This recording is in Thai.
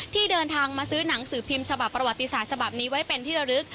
ที่เดินทางมาซื้อหนังสือพิมพ์ฉบับประวัติศาสตร์ฉบับนี้ไว้เป็นที่ระลึก